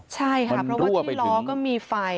ใช่ค่ะเพราะว่าที่ล้อก็มีไฟ